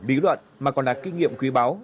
lý luận mà còn là kinh nghiệm quý báo